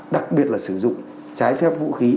đặc biệt là sử dụng trái phép vũ khí